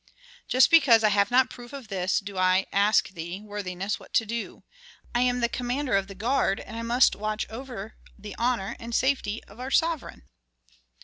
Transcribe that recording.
"Just because I have not proof of this do I ask thee, worthiness, what to do. I am the commander of the guard and I must watch over the honor and safety of our sovereign."